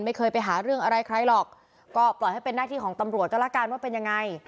ไม่เคยไปหาเรื่องอะไรใครหรอกก็ปล่อยให้เป็นหน้าที่ของตำรวจก็แล้วกันว่าเป็นยังไง